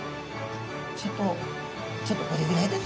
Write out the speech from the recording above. ちょっとちょっとこれぐらいですかね。